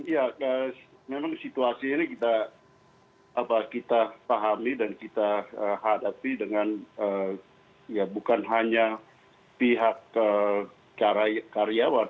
ya memang situasi ini kita pahami dan kita hadapi dengan bukan hanya pihak karyawan